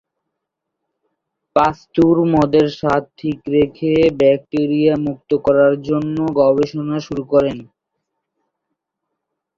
পাস্তুর মদের স্বাদ ঠিক রেখে ব্যাক্টেরিয়া মুক্ত করার জন্য গবেষণা শুরু করেন।